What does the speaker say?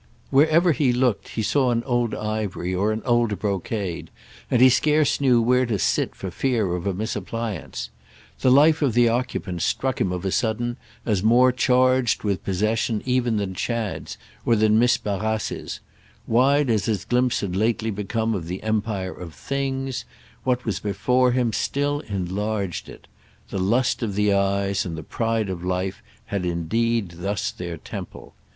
Wherever he looked he saw an old ivory or an old brocade, and he scarce knew where to sit for fear of a misappliance. The life of the occupant struck him of a sudden as more charged with possession even than Chad's or than Miss Barrace's; wide as his glimpse had lately become of the empire of "things," what was before him still enlarged it; the lust of the eyes and the pride of life had indeed thus their temple.